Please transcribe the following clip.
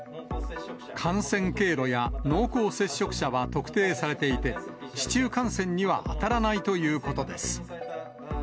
感染経路や濃厚接触者は特定されていて、市中感染には当たらないということです。